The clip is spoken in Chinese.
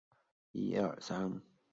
宽头云南鳅为鳅科云南鳅属的鱼类。